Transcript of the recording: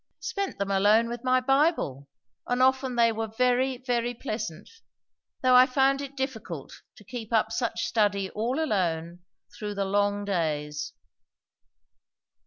"Spent them alone with my Bible. And often they were very, very pleasant; though I found it difficult to keep up such study all alone, through the long days."